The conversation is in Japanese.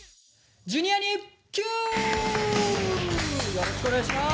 よろしくお願いします。